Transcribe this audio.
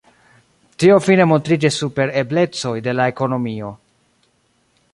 Tio fine montriĝis super eblecoj de la ekonomio.